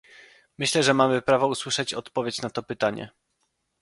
Myślę, że mamy prawo usłyszeć odpowiedź na to pytanie